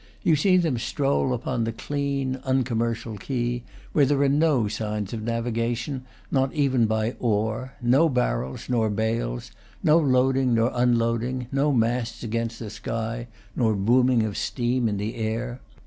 You see them stroll upon the clean, uncommercial quay, where there are no signs of navigation, not even by oar, no barrels nor bales, no loading nor unloading, no masts against the sky nor booming of steam in the air.